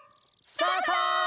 スタート！